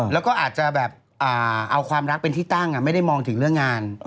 แล้วก็อาจจะแบบเอาความรักเป็นที่ตั้งไม่ได้มองถึงเรื่องงาน